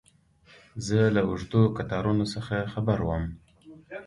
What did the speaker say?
زه له اوږدو کتارونو څه خبر وم.